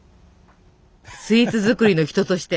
スイーツ作りの人として。